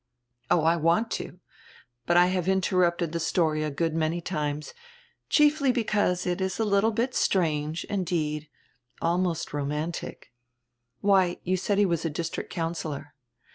"Oh, I want to, but I have interrupted die story a good many times, chiefly because it is a little bit strange, indeed, almost romantic." "Why, you said he was a district councillor."